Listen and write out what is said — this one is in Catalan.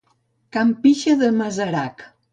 Can pixa de Masarac.